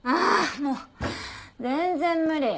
もう全然無理。